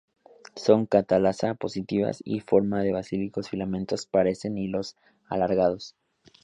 Son catalasa-positivas y con forma de bacilos filamentosos, parecen hilos alargados.